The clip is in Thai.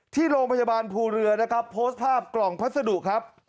ที่โรงพยาบาลภูเรือนะครับโพสต์ภาพกล่องพัสดุครับ